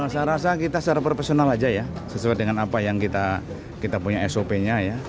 saya rasa kita secara profesional saja ya sesuai dengan apa yang kita punya sop nya ya